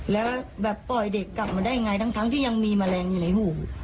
แล้วปล่อยเด็กกลับมาได้อย่างไรทั้งทั้งที่ยังมีแมลงอยู่ในหู